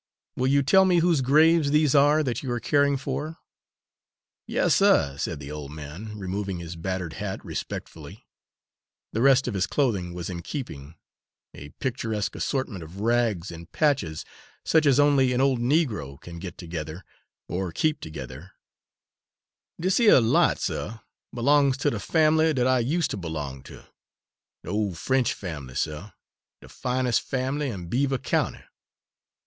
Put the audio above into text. "Will you tell me whose graves these are that you are caring for?" "Yas, suh," said the old man, removing his battered hat respectfully the rest of his clothing was in keeping, a picturesque assortment of rags and patches such as only an old Negro can get together, or keep together "dis hyuh lot, suh, b'longs ter de fambly dat I useter b'long ter de ol' French fambly, suh, de fines' fambly in Beaver County."